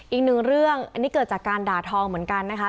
อีกหนึ่งเรื่องอันนี้เกิดจากการด่าทองเหมือนกันนะคะ